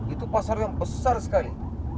itu pasar yang besar sekali